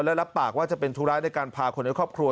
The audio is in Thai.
และรับปากว่าจะเป็นธุระในการพาคนในครอบครัว